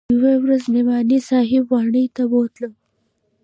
يوه ورځ نعماني صاحب واڼې ته بوتلم.